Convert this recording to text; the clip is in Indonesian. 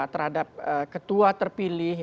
terhadap ketua terpilih